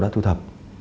đã thu thập